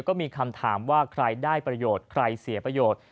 ก็มีคำถามว่าใครได้ประโยชน์ใครเสียประโยชน์